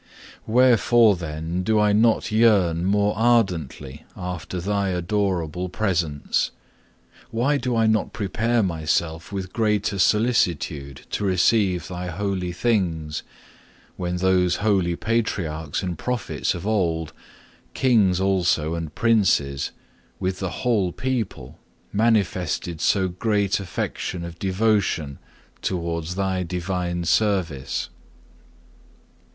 7. Wherefore then do I not yearn more ardently after Thy adorable presence? Why do I not prepare myself with greater solicitude to receive Thy holy things, when those holy Patriarchs and Prophets of old, kings also and princes, with the whole people, manifested so great affection of devotion towards Thy Divine Service?